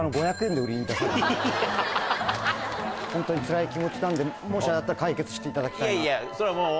で売りに出されてホントにつらい気持ちなんでもしあれだったら解決していただきたいな。